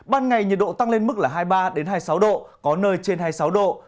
ban ngày nhiệt độ tăng lên mức là hai mươi ba hai mươi sáu độ có nơi trên hai mươi sáu độ